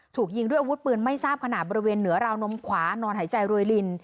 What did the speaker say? ถูกยิงด้วยอาวุธปืนไม่ทราบขนาดบริเวณเหนือราวนมขวานอนหายใจรวยลิน